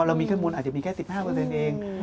เรามีข้อมูลอาจจะมีแค่๑๕เอง